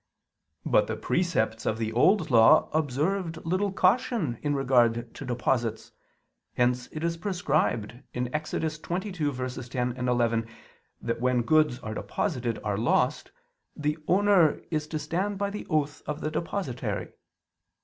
But the precepts of the Old Law observed little caution in regard to deposits: since it is prescribed (Ex. 22:10, 11) that when goods deposited are lost, the owner is to stand by the oath of the depositary.